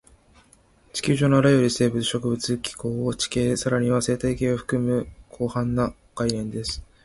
地球上のあらゆる生物、植物、気候、地形、さらには生態系を含む広範な概念です